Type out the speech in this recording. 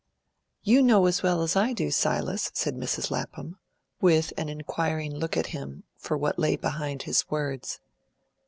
"You know as well as I do, Silas," said Mrs. Lapham, with an inquiring look at him for what lay behind his words.